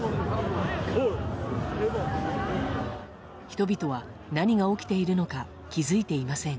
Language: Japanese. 人々は何が起きているのか気づいていません。